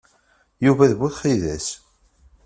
Yuba d bu txidas.